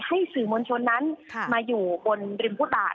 ให้สื่อมวลชนนั้นมาอยู่บนริมฟุตบาท